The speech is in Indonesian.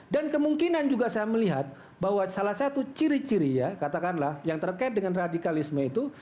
dan kemungkinan juga saya melihat bahwa salah satu ciri ciri ya katakanlah yang terkait dengan radikalisme itu